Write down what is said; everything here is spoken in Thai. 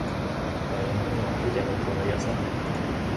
แต่ยังไม่เหมาะที่จะลงทุนระยะสั้น